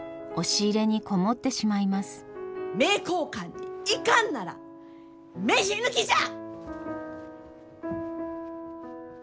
名教館に行かんなら飯抜きじゃ！